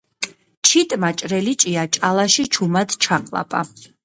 ჩიტმა ჭრელი ჭია ჭალაში ჩუმად ჩაყლაპა.